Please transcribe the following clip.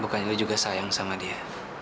bukannya lo juga sayang sama dia